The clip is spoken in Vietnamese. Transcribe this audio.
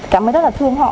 cảm thấy rất là thương họ